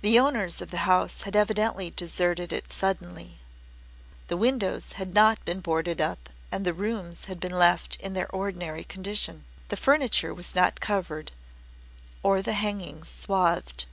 The owners of the house had evidently deserted it suddenly. The windows had not been boarded up and the rooms had been left in their ordinary condition. The furniture was not covered or the hangings swathed.